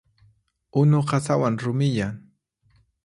Unu qasawan rumiyan.